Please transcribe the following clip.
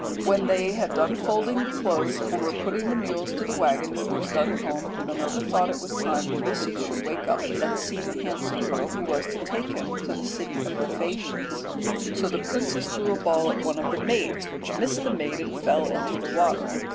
"When they had done folding the clothes and were putting the mules to the waggon before starting home again, Minerva thought it was time Ulysses should wake up and see the handsome girl who was to take him to the city of the Phaeacians. So the princess threw a ball at one of the maids, which missed the maid and fell into the water.